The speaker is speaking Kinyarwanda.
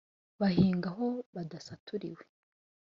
Bahinga aho badasaturiwe,